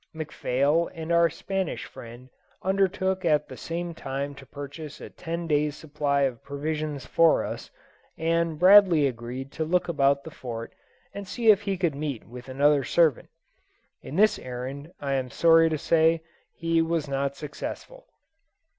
McPhail and our Spanish friend undertook at the same time to purchase a ten days' supply of provisions for us, and Bradley agreed to look about the Fort and see if he could meet with another servant. In this errand, I am sorry to say, he was not successful.